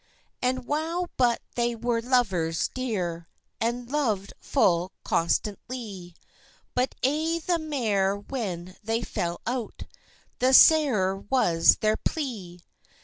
And wow but they were lovers dear, And lov'd full constantlie; But aye the mair when they fell out, The sairer was their plea.